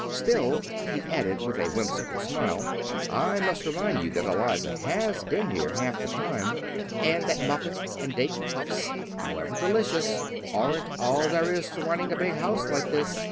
"Still," he added, with a whimsical smile, "I must remind you that Eliza has been here half the time, and that muffins and date puffs, however delicious, aren't all there is to running a big house like this.